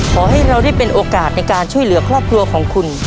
ขอให้เราได้เป็นโอกาสในการช่วยเหลือครอบครัวของคุณ